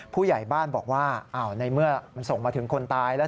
ผู้ใหญ่บ้านบอกว่าในเมื่อมันส่งมาถึงคนตายแล้ว